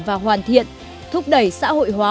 và hoàn thiện thúc đẩy xã hội hóa